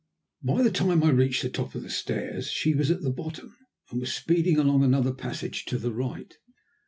By the time I reached the top of the stairs she was at the bottom, and was speeding along another passage to the right.